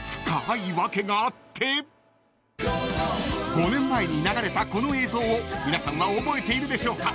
［５年前に流れたこの映像を皆さんは覚えているでしょうか？］